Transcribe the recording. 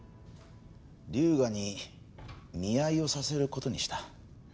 龍河に見合いをさせる事にした。